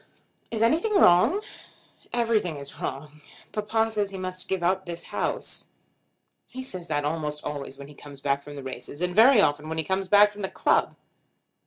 "Is anything wrong?" "Everything is wrong. Papa says he must give up this house." "He says that almost always when he comes back from the races, and very often when he comes back from the club."